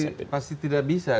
ya pasti tidak bisa